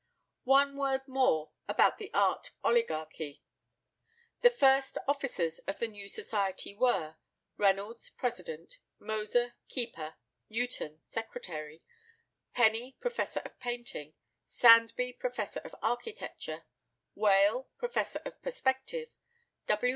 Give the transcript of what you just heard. One word more about the art oligarchy. The first officers of the new society were Reynolds, president; Moser, keeper; Newton, secretary; Penny, professor of painting; Sandby, professor of architecture; Wale, professor of perspective; W.